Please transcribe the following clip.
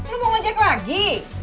lu mau ngajak lagi